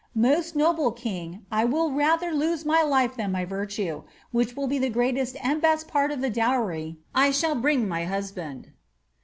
Most noble king, I will rather lose my life tlian my virtue, which will be the greatest and best part of the dowry 1 shall bring my husband.